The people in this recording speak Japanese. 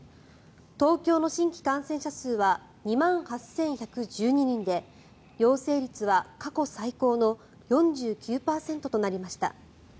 東京の新規感染者数は２万８１１２人で陽性率は過去最高の４９％となりました。